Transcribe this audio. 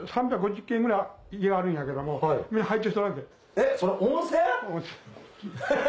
えっそれ温泉？